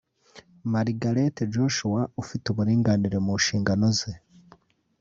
Margaret Joshua ufite uburinganire mu nshingano ze